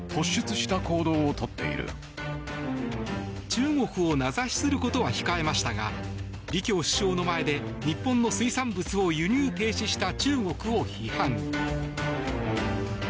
中国を名指しすることは控えましたが李強首相の前で日本の水産物を輸入停止した中国を批判。